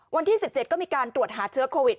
วันที่๑๗ก็มีการตรวจหาเชื้อโควิด